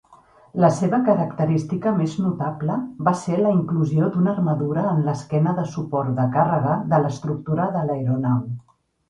La seva característica més notable va ser la inclusió d'una armadura en l'esquema de suport de càrrega de l'estructura de l'aeronau.